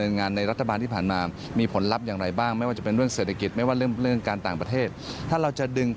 เดี๋ยวเราลองฟังคุณกันนาวีเข้าก่อน